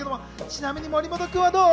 ちなみに森本君はどう？